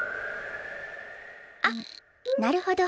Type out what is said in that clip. あっなるほど。